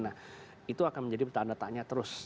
nah itu akan menjadi tanda tanya terus